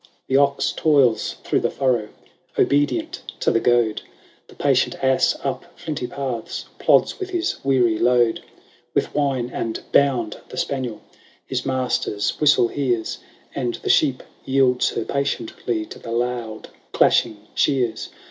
XVI. " The ox toils through the furrow, Obedient to the goad ; The patient ass, up flinty paths, ^J ^y0^\Ap Plods with his weary load : With whine and bound the spaniel His master's whistle hears ; And the sheep yields her patiently To the loud clashing shears.